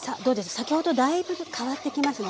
先ほどだいぶ変わってきますね。